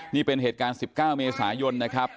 นี่เป็นเหตุการณ์๑๙เมษายนนะครับ